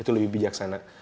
itu lebih bijaksana